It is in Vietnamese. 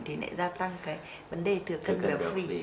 thì lại gia tăng cái vấn đề thừa cân béo phì